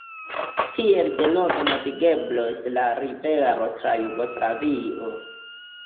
Tiel denove navigeblos la rivero tra Jugoslavio.